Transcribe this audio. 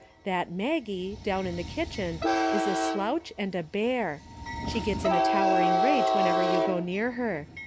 That Maggie, down in the kitchen, is a slouch and a bear. She gets in a towering rage when ever you go near her.